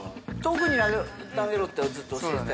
遠くに投げろってずっと教えてたよね。